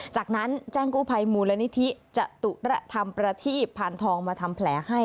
จากนั้นแจ้งกู้ภัยมูลนิธิจตุระธรรมประทีพานทองมาทำแผลให้